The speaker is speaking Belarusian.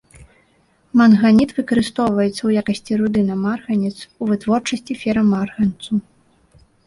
Манганіт выкарыстоўваецца ў якасці руды на марганец, у вытворчасці ферамарганцу.